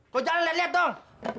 lo jalan liat liat dong